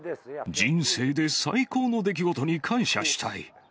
人生で最高の出来事に感謝したい。